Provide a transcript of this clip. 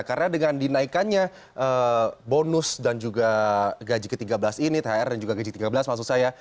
karena dengan dinaikannya bonus dan juga gaji ke tiga belas ini thr dan juga gaji ke tiga belas maksud saya